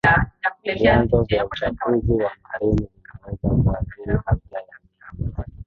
Vyanzo vya uchafuzi wa marine vinaweza kuathiri afya ya miamba